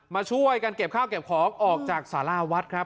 มาช่วยกันเก็บข้าวเก็บของออกจากสาราวัดครับ